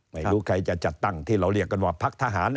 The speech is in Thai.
ไม่รู้ใครจะจัดตั้งที่เราเรียกกันว่าพักทหาร